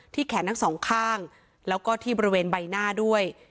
แขนทั้งสองข้างแล้วก็ที่บริเวณใบหน้าด้วย